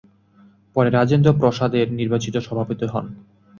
পরে রাজেন্দ্র প্রসাদ এর নির্বাচিত সভাপতি হন।